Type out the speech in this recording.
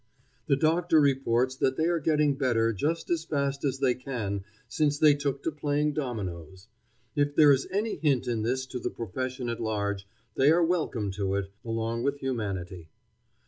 The doctor reports that they are getting better just as fast as they can since they took to playing dominoes. If there is any hint in this to the profession at large, they are welcome to it, along with humanity.